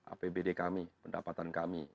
apbd kami pendapatan kami